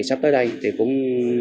sắp tới đây thì cũng